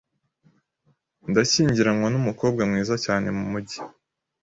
Ndashyingiranwa numukobwa mwiza cyane mumujyi.